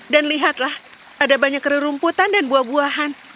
dan lihatlah ada banyak kererumputan dan buah buahan